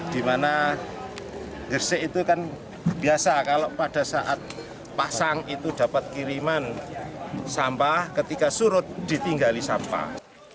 dimana gersik itu kan biasa kalau pada saat pasang itu dapat kiriman sampah ketika surut ditinggali sampah